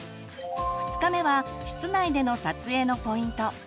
２日目は室内での撮影のポイント。